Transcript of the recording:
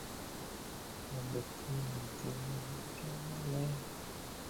সমস্যা হলে তার পরিত্রাণের জন্য আল্লাহ্বপাকের দরবারে কান্নাকাটি করতে হয়।